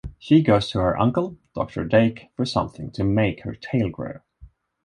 She goes to her uncle, Doctor Dake, for something to make her tail grow.